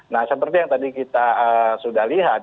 nah seperti yang tadi kita sudah lihat